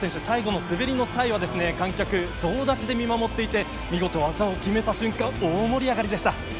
最後の滑りの際は観客総立ちで見守っていて見事、技を決めた瞬間大盛り上がりでした。